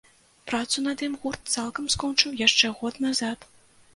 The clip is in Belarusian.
Працу над ім гурт цалкам скончыў яшчэ год назад.